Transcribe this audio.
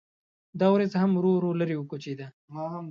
دا وریځ هم ورو ورو لرې وکوچېده.